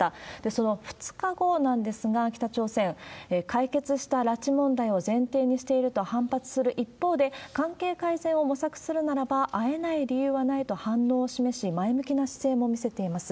その２日後なんですが、北朝鮮、解決した拉致問題を前提にしていると反発する一方で、関係改善を模索するならば会えない理由はないと反応を示し、前向きな姿勢も見せています。